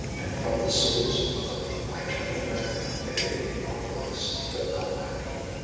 And from the souls of clay I turn away, and they are blest, but not by me.